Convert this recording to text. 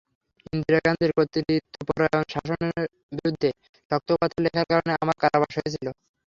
ইন্দিরা গান্ধীর কর্তৃত্বপরায়ণ শাসনের বিরুদ্ধে শক্ত কথা লেখার কারণে আমার কারাবাস হয়েছিল।